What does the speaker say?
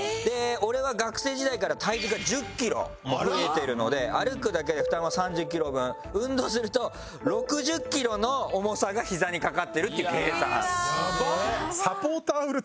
俺は学生時代から体重が１０キロ増えてるので歩くだけで負担は３０キロ分運動すると６０キロの重さがヒザにかかってるっていう計算。